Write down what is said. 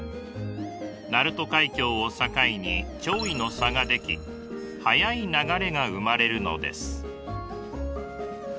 鳴門海峡を境に潮位の差が出来速い流れが生まれるのです。